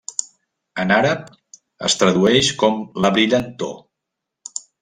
En àrab, es tradueix com 'la brillantor'.